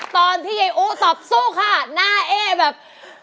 ตอนที่ยายอู๋ตอบสู้ค่ะหน้าเอ๊แบบ